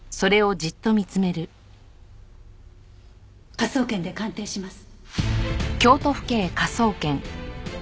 科捜研で鑑定します。